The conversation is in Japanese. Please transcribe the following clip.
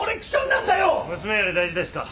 娘より大事ですか？